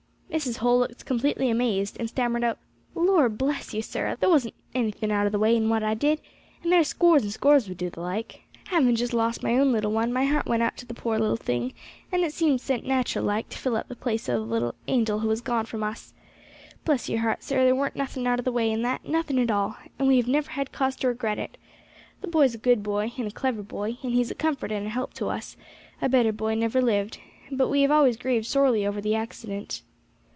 Mrs. Holl looked completely amazed, and stammered out, "Lor' bless you, sir! there wasn't anything out of the way in what I did, and there's scores and scores would do the like. Having just lost my own little one, my heart went out to the poor little thing, and it seemed sent natural like, to fill up the place of the little angel who was gone from us. Bless your heart, sir, there weren't nothing out of the way in that, nothing at all, and we have never had cause to regret it. The boy's a good boy, and a clever boy, and he is a comfort and a help to us; a better boy never lived. But we have always grieved sorely over the accident."